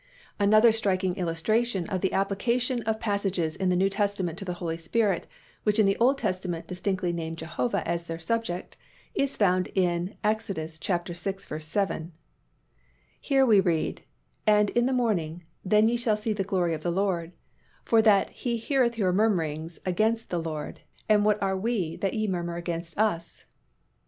Another striking illustration of the application of passages in the New Testament to the Holy Spirit which in the Old Testament distinctly name Jehovah as their subject is found in Ex. xvi. 7. Here we read, "And in the morning, then ye shall see the glory of the LORD; for that He heareth your murmurings against the LORD: and what are we that ye murmur against us?"